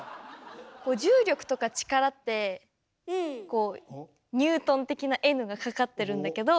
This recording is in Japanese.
重力とか力ってこうニュートン的な「Ｎ」がかかってるんだけど。